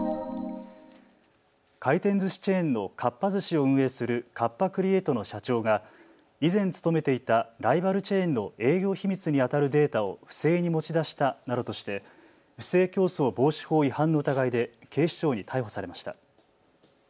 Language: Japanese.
回転ずしチェーンのかっぱ寿司を運営するカッパ・クリエイトの社長が以前、勤めていたライバルチェーンの営業秘密にあたるデータを不正に持ち出したなどとして不正競争防止法違反の疑いで警視庁に逮捕されました。